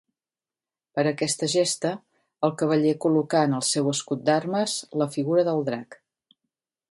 Per aquesta gesta el cavaller col·locà en el seu escut d'armes la figura del drac.